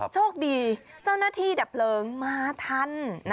โชคดีเจ้าหน้าที่ดับเพลิงมาทัน